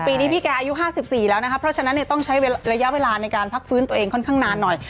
ปีนี้พี่แกอายุ๕๔แล้วนะคะเพราะฉะนั้นต้องใช้ระยะเวลาในการพักฟื้นตัวเองค่อนข้างนานหน่อย